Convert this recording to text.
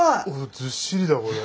ずっしりだこれ。